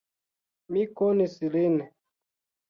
Mi konis lin.